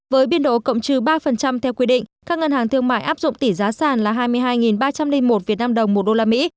với biên độ cộng trừ ba theo quy định các ngân hàng thương mại áp dụng tỷ giá sàn là hai mươi hai ba trăm linh một việt nam đồng một đô la mỹ